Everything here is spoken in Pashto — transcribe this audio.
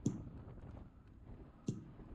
ښځو ته درناوی وکړئ